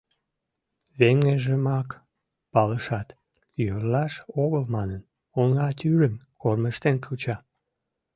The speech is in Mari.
Веҥыжымак палышат, йӧрлаш огыл манын, оҥа тӱрым кормыжтен куча.